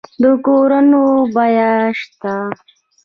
د کورونو بیمه شته؟